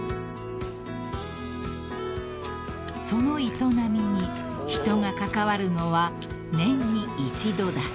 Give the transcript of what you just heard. ［その営みに人が関わるのは年に一度だけ］